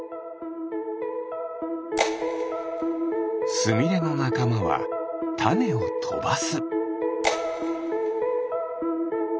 スミレのなかまはたねをとばす。